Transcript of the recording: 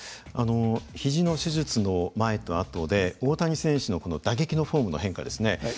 ひじの手術の前と後で大谷選手の打撃のフォームの変化ですね。